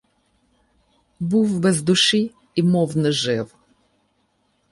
Був без душі і мов не жив.